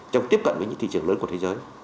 trong tiếp cận với những thị trường lớn của thế giới